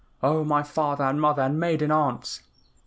"Oh, my father and mother and maiden aunts!"